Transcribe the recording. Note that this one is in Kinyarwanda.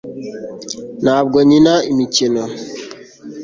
ntabwo nkina imikino